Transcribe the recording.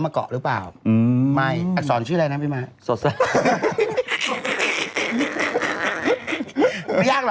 แก้วผมไม่อาจริง